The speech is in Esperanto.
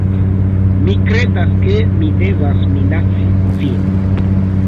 Mi kredas, ke mi devas minaci vin